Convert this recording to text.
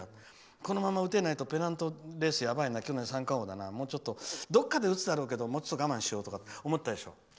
このまま打てないとペナントレースやばいな去年、三冠王だなどこかで打つだろうけどもうちょっと我慢しようとか思ったでしょ？